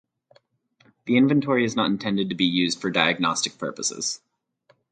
The inventory is not intended to be used for diagnostic purposes.